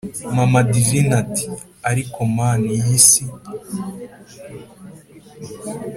mama divine ati: ariko mana iyi si!